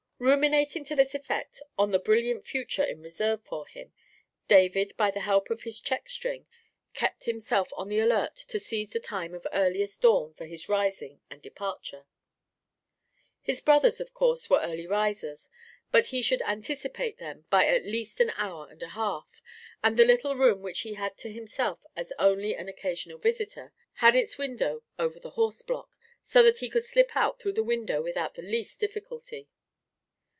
Ruminating to this effect on the brilliant future in reserve for him, David by the help of his check string kept himself on the alert to seize the time of earliest dawn for his rising and departure. His brothers, of course, were early risers, but he should anticipate them by at least an hour and a half, and the little room which he had to himself as only an occasional visitor, had its window over the horse block, so that he could slip out through the window without the least difficulty.